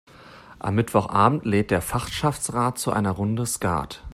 Am Mittwochabend lädt der Fachschaftsrat zu einer Runde Skat.